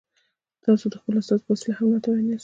تاسو د خپلو استازو په وسیله هم ناتوان یاست.